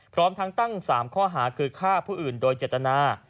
พร้อมทั้งตั้ง๓ข้อหาคือฆ่าผู้อื่นโดยเจตนา